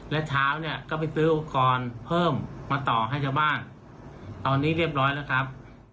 และเช้าเนี่ยก็ไปซื้ออุปกรณ์เพิ่มมาต่อให้ชาวบ้านตอนนี้เรียบร้อยแล้วครับ